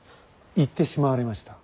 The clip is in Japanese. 行ってしまわれました。